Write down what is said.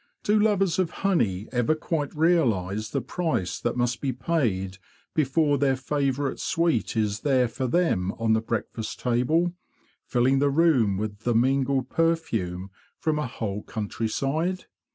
Do lovers of honey ever quite realise the price that must be paid before their favourite sweet is there for them on the break fast table, filling the room with the mingled perfume from a whole countryside?